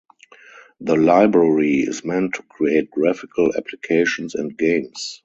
The library is meant to create graphical applications and games.